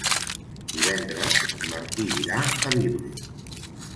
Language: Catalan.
Divendres en Martí irà a Biure.